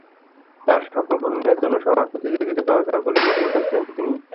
তার স্বপ্ন পূরণের জন্য সবার সহযোগিতা দরকার বলে মনে করেন তিনি।